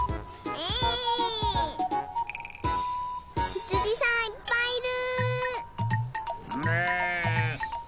ひつじさんいっぱいいる！